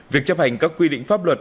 việc chấp hành các quy định pháp luật